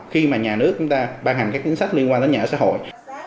khi mà nhà nước chúng ta ban hành các chính sách liên quan đến nhà ở xã hội